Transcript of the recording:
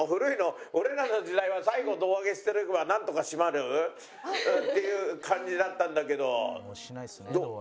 俺らの時代は最後胴上げしてればなんとか締まるっていう感じだったんだけど。